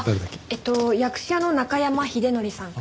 えっと役者の中山英徳さん。